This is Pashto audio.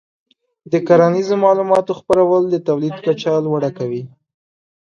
د کرنیزو معلوماتو خپرول د تولید کچه لوړه کوي.